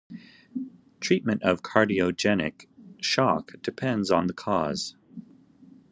Treatment of cardiogenic shock depends on the cause.